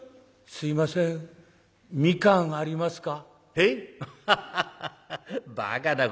「すいません蜜柑ありますか？」。